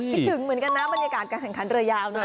คิดถึงเหมือนกันนะบรรยากาศการแข่งขันเรือยาวนะ